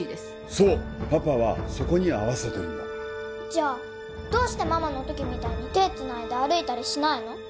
そうパパはそこに合わせてるんだじゃどうしてママのときみたいに手つないで歩いたりしないの？